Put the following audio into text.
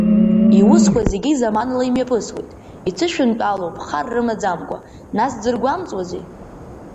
Иусқәа зегьы заманала имҩаԥысуеит, иҭышәынтәалоуп хар рымаӡамкәа, нас дзыргәамҵуазеи?